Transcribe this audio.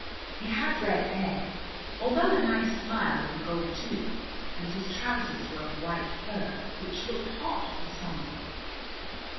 He had red hair, although a nice smile with a gold tooth, and his trousers were of white fur, which looked hot for summer.